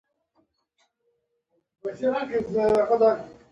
دوی برښنايي موټرې ډېرې خوښوي.